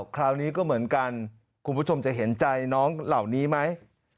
คราวนี้ก็เหมือนกันคุณผู้ชมจะเห็นใจน้องเหล่านี้ไหม